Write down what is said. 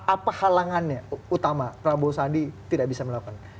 apa halangannya utama prabowo sandi tidak bisa melakukan